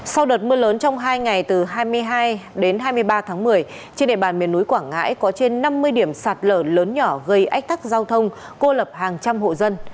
sau đợt mưa lớn trong hai ngày từ hai mươi hai đến hai mươi ba tháng một mươi trên địa bàn miền núi quảng ngãi có trên năm mươi điểm sạt lở lớn nhỏ gây ách tắc giao thông cô lập hàng trăm hộ dân